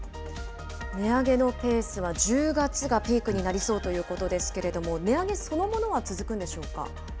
値上げのペースは１０月がピークになりそうということですけれども、値上げそのものは続くんでしょうか。